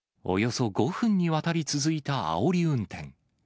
およそ５分にわたり続いたあおり運転。